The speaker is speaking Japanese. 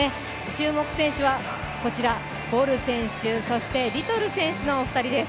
注目選手はボル選手、そしてリトル選手のお二人です。